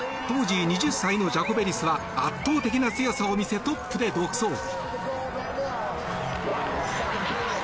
当時、２０歳のジャコベリスは圧倒的強さを見せトップで独走。